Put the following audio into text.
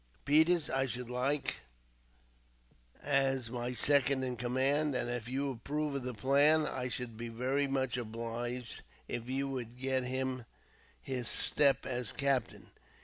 Peters I should like as my second in command; and, if you approve of the plan, I should be very much obliged if you would get him his step as captain.